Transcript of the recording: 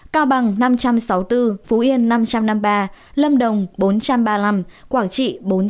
cao bằng năm trăm sáu mươi bốn phú yên năm trăm năm mươi ba lâm đồng bốn trăm ba mươi năm quảng trị bốn trăm năm mươi